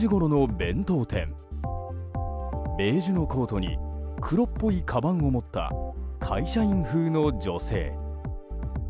ベージュのコートに黒っぽいかばんを持った会社員風の女性。